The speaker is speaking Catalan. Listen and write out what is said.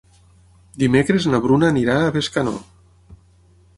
Dimecres na Bruna anirà a Bescanó.